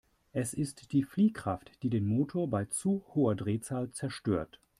Es ist die Fliehkraft, die den Motor bei zu hoher Drehzahl zerstört.